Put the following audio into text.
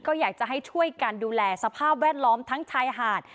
ก็อยากจะให้ช่วยกันดูแลสภาพแวดล้อมทั้งชายหาด